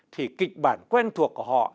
thì kịch bản quen thuộc của họ